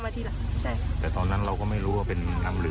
แต่ตอนนั้นเราก็ไม่รู้ว่าเป็นทำเลือก